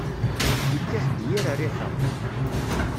Yekkat-d yir rriḥa.